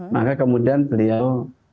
maka kemudian beliau